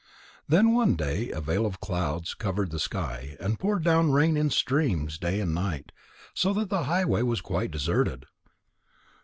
Then one day a veil of clouds covered the sky and poured down rain in streams day and night, so that the highway was quite deserted.